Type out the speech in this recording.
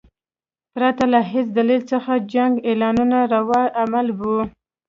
پرته له هیڅ دلیل څخه جنګ اعلانول روا عمل وو.